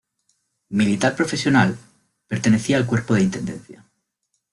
Militar profesional, pertenecía al cuerpo de intendencia.